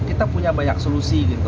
kita punya banyak solusi gitu